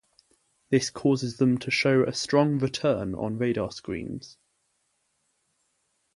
This causes them to show a strong "return" on radar screens.